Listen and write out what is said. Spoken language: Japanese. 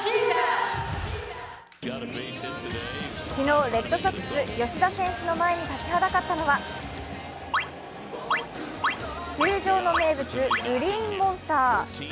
昨日、レッドソックス・吉田選手の前に立ちはだかったのは球場の名物、グリーンモンスター。